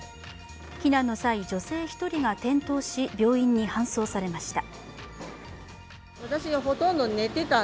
避難の際、女性１人が転倒し病院に搬送されました。